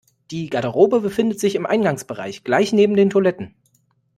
Die Garderobe befindet sich im Eingangsbereich, gleich neben den Toiletten.